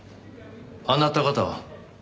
あなた方は？